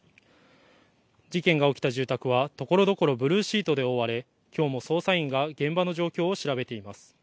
事件が起きた住宅はところどころブルーシートで覆われきょうも捜査員が現場の状況を調べています。